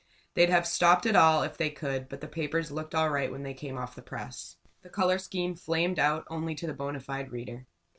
They'd have stopped it all if they could; but the papers looked all right when they came off the press. The color scheme flamed out only to the bona fide reader.